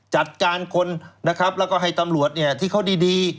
จัดการคนนะครับแล้วก็ให้ตำรวจเนี่ยที่เขาดี